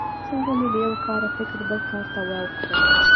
څنګه مې له یوه کاره فکر بل کار ته واوښتل.